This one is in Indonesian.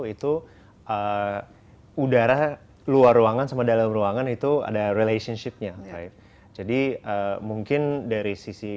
itu udara luar ruangan sama dalam ruangan itu ada relationshipnya jadi mungkin dari sisi